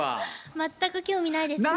全く興味ないですね。